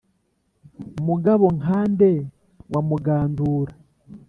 mugabo nka nde wa mugandura